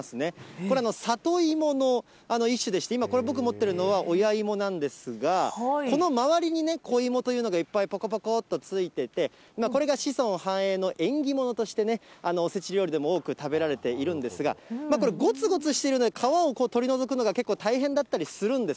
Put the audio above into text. これ、里芋の一種でして、今、これ、僕持っているのは親芋なんですが、このまわりにね、こいもというのがぽこぽこっとついてて、これが子孫繁栄の縁起物として、お節料理でも多く食べられているんですが、これ、ごつごつしてるので、皮を取り除くのが結構大変だったりするんです。